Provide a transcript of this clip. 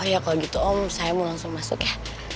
oh ya kalau gitu om saya mau langsung masuk ya